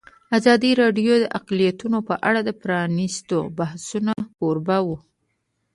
ازادي راډیو د اقلیتونه په اړه د پرانیستو بحثونو کوربه وه.